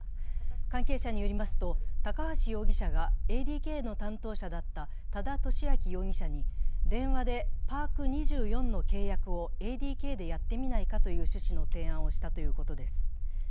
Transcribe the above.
関係者によりますと、高橋容疑者がＡＤＫの担当者だった多田俊明容疑者に電話でパーク２４の契約をＡＤＫでやってみないかという趣旨の提案をしたということです。